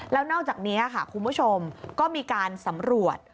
แล้วนอกจากนี้ค่ะคุณผู้ชมก็มีการสำรวจ